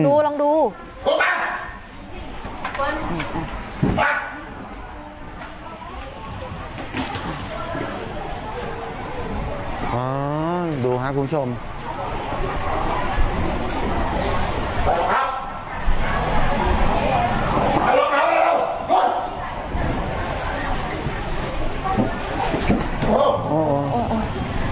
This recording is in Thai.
พี่ขับรถไปเจอแบบ